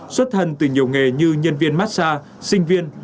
xuất thân từ nhiều nghề như nhân viên massage sinh viên